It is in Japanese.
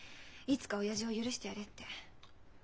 いつか親父を許してやれ」って。